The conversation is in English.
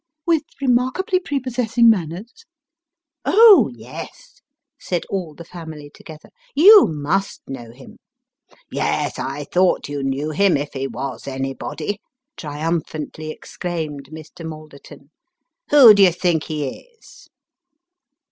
" With remarkably prepossessing manners ?"" Oh, yes !" said all the family together. " You must know him." " Yes, I thought yon knew him, if he was anybody," triumphantly exclaimed Mr. Malderton. " Who d'ye think he is